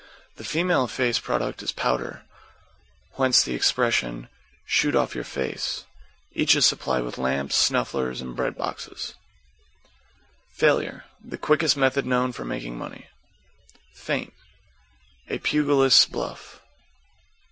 The female face product is powder, whence the expression, "Shoot off your face." Each is supplied with lamps, snufflers and bread boxes. =FAILURE= The quickest method known for making money. =FEINT= A pugilist's bluff.